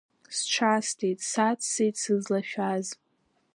Сҽасҭеит, саццеит сызлашәаз.